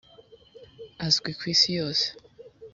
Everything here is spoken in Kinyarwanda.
azwi kwisi yose.